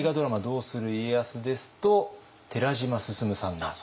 「どうする家康」ですと寺島進さんが。